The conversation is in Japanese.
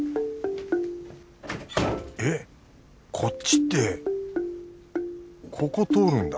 えっこっちってここ通るんだ